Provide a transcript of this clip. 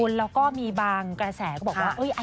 คุณแล้วก็มีบางกระแสก็เบาะว่า